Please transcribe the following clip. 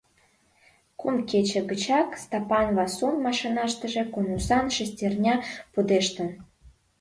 Кум кече гычак Стапан Васун машинаштыже конусан шестерня пудештын.